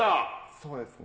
そうですね。